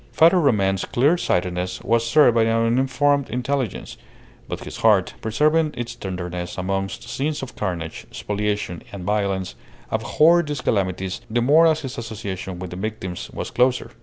Father Roman's clear sightedness was served by an uninformed intelligence; but his heart, preserving its tenderness amongst scenes of carnage, spoliation, and violence, abhorred these calamities the more as his association with the victims was closer.